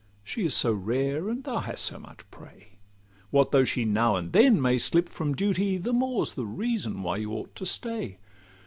She is so rare, and thou hast so much prey. What though she now and then may slip from duty, The more 's the reason why you ought to stay.